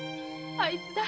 あいつだ。